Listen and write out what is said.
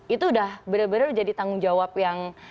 itu udah benar benar jadi tanggung jawab yang